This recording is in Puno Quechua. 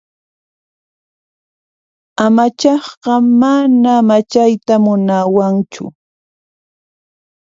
Amachaqqa mana amachayta munawanchu.